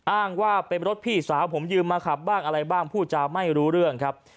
อ้างว่าเป็นรถพี่สาวผมยืมมาขับบ้างอะไรบ้างพูดจาไม่รู้เรื่องครับ